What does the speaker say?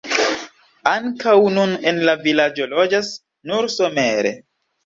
Ankaŭ nun en la vilaĝo loĝas nur somere.